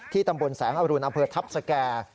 ที่ตำบลแสงอรุณอำเภอทัพสเกอร์